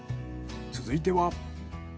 続いては。